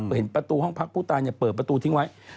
เห็นประตูห้องพักผู้ตายเปิดประตูทิ้งไว้